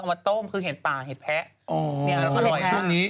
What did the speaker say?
นี่หมายถึงอยู่ในช่วงนี้